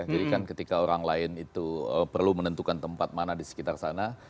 jadi kan ketika orang lain itu perlu menentukan tempat mana di sekitar sana